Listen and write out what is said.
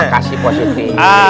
makasih pak siti